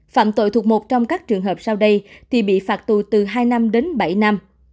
phạm tội thuộc một trong các trường hợp sau đây thì bị phạt tù từ hai năm đến bảy năm